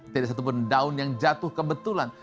tidak satupun daun yang jatuh kebetulan